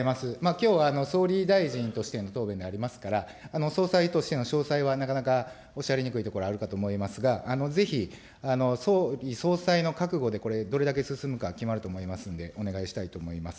きょうは総理大臣としての答弁でありますから、総裁としての詳細はなかなかおっしゃりにくいところあるかと思いますが、ぜひ総理総裁の覚悟で、これ、どれだけ進むか決まると思いますんで、お願いしたいと思います。